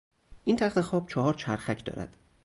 این تختخواب چهار چرخک دارد.